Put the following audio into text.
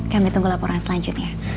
kami tunggu laporan selanjutnya